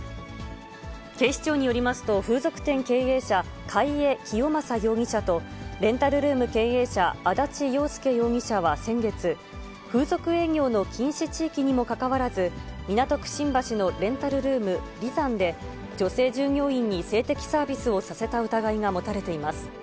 警視庁によりますと、風俗店経営者、貝江清正容疑者と、レンタルルーム経営者、安達洋介容疑者は先月、風俗営業の禁止地域にもかかわらず、港区新橋のレンタルルーム、リザンで、女性従業員に性的サービスをさせた疑いが持たれています。